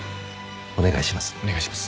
お願いします。